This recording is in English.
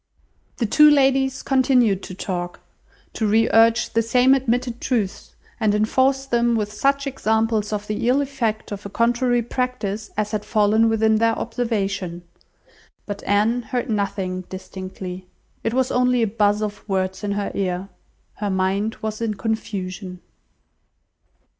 The two ladies continued to talk, to re urge the same admitted truths, and enforce them with such examples of the ill effect of a contrary practice as had fallen within their observation, but Anne heard nothing distinctly; it was only a buzz of words in her ear, her mind was in confusion.